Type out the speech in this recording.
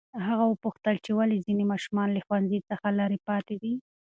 هغه وپوښتل چې ولې ځینې ماشومان له ښوونځي څخه لرې پاتې دي.